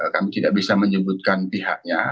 kami tidak bisa menyebutkan pihaknya